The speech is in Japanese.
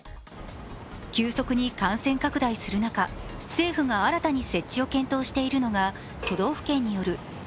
急速に感染拡大する中、政府が新たに設置を検討しているのが都道府県によるＢＡ．